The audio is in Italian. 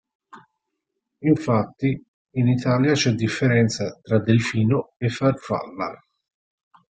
Infatti, in Italia c'è differenza tra delfino e farfalla.